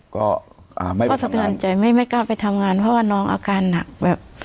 ก็อ่าไม่ไปทำงานก็สะเตือนใจไม่ไม่กล้าไปทำงานเพราะว่าน้องอาการหนักแบบ